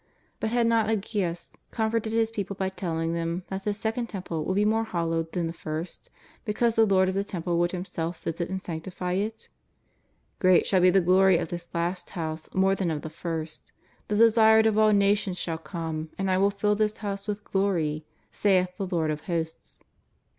But had not Aggeus comforted his people by telling them that this Second Temple would be more hallowed than the First, because the Lord of the Temple would Himself visit and sanctify it ?^' Great shall be the glory of this last house more than of the first. The Desired of all nations shall come, and I will fill this house with glory, saith the Lord of Hosts."